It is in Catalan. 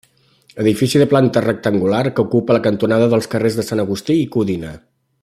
Edifici de planta rectangular, que ocupa la cantonada dels carrers de Sant Agustí i Codina.